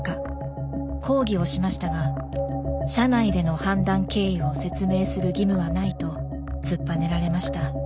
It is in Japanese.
抗議をしましたが社内での判断経緯を説明する義務はないと突っぱねられました。